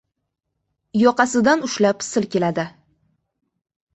Yoqasidan ushlab silkiladi.